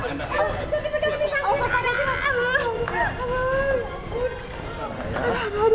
jangan jangan maklum maklum